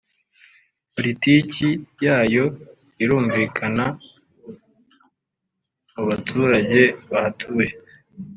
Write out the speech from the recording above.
politiki yayo irumvikana mubaturage bahatuye